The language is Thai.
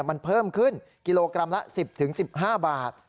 มันเพิ่มขึ้นกิโลกรัมละ๑๐๑๕บาท